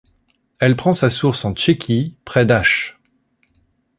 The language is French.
Elle prend sa source en Tchéquie, près d'Aš.